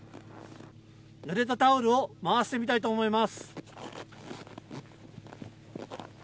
ぬれたタオルを回してみたいと思います。